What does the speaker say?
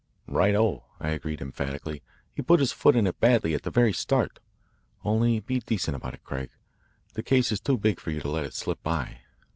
Right o," I agreed emphatically. "He's put his foot in it badly at the very start. Only, be decent about it, Craig. The case is too big for you to let it slip by."